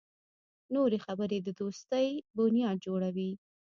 نوې خبرې د دوستۍ بنیاد جوړوي